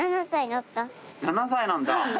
７歳なんだ。